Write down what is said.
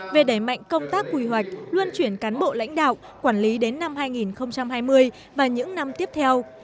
về đẩy mạnh công tác quy hoạch luân chuyển cán bộ lãnh đạo quản lý đến năm hai nghìn hai mươi và những năm tiếp theo